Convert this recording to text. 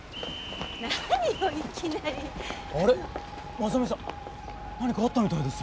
真実さん何かあったみたいですよ。